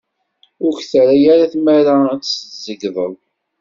Ur k-terra ara tmara ad s-tzeyydeḍ.